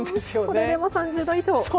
それでも３０度以上。